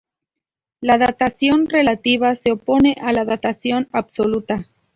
La datación relativa se opone a la datación absoluta.